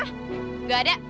hah gak ada